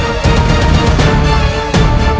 apa yang dilakukan